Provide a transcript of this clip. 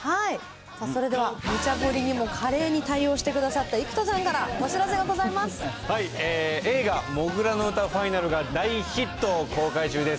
それではむちゃ振りにも華麗に対応してくださった生田さんか映画、土竜の唄ＦＩＮＡＬが大ヒット公開中です。